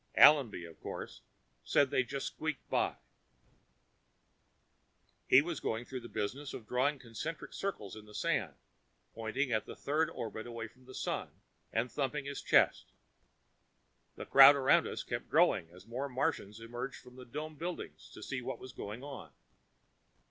Allenby, of course, said they just squeaked by. He was going through the business of drawing concentric circles in the sand, pointing at the third orbit away from the Sun and thumping his chest. The crowd around us kept growing as more Martians emerged from the dome buildings to see what was going on.